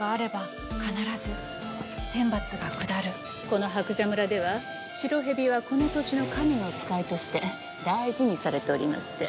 この白蛇村では白蛇はこの土地の神の使いとして大事にされておりまして。